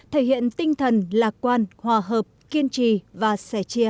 thể hiện tinh thần lạc quan hòa hợp kiên trì và sẻ chia